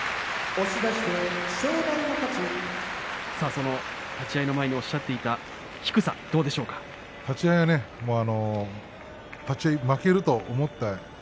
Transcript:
その立ち合いの前におっしゃっていた低さ立ち合いはね立ち合い負けると思った。